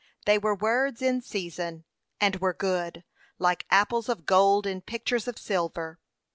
They were words in season,' and were good,' like apples of gold in pictures of silver.'